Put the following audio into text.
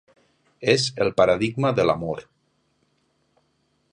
És el paradigma de l'amor.